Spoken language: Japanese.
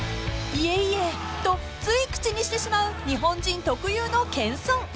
［「いえいえ」とつい口にしてしまう日本人特有の謙遜］